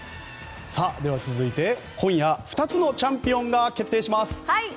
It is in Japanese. では、続いて今夜、２つのチャンピオンが決定します。